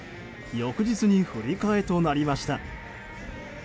翌日に振り替えとなりました。